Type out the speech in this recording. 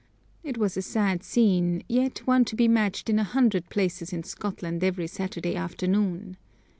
It was a sad scene, yet one to be matched in a hundred places in Scotland every Saturday afternoon.